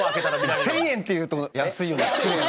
１０００円っていうと安いような失礼な。